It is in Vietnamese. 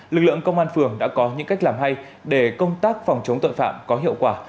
lực lượng công an phường đã có những cách làm hay để công tác phòng chống tội phạm có hiệu quả